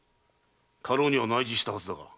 家老には内示したはずだが。